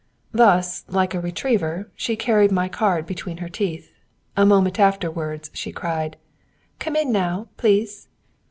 Thus, like a retriever, she carried in my card between her teeth. A moment afterwards she cried: "Come in now, please!"